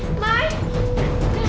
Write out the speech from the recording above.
kenapa bukan aku